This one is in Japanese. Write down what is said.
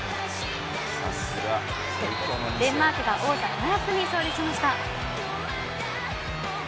デンマークが王者フランスに勝利しました。